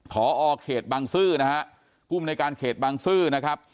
ขออ้อเขตบังซื่อกลุ้มในการเขตบังซื่อ